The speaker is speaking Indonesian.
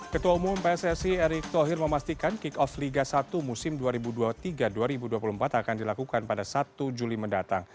ketua umum pssi erick thohir memastikan kick off liga satu musim dua ribu dua puluh tiga dua ribu dua puluh empat akan dilakukan pada satu juli mendatang